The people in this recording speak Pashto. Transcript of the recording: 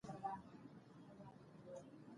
زه د هیواد سره مینه لرم.